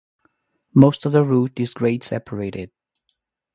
Most of the route is grade separated.